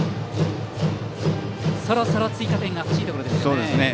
そろそろ追加点が欲しいところですね。